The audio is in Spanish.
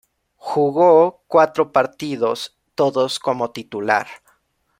Jugó cuatro partidos, todos como titular.